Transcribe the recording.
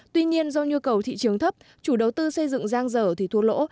tuy nhiên do nhu cầu thị trường thấp chủ đầu tư xây dựng giang dở thì thua lỗ